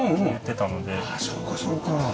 ああそうかそうか。